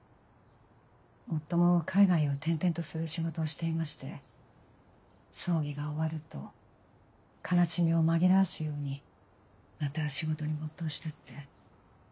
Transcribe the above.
夫も海外を転々とする仕事をしていまして葬儀が終わると悲しみを紛らわすようにまた仕事に没頭してって。